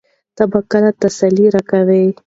ته به کله تسلي راکوې؟